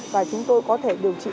và chúng tôi có thể điều trị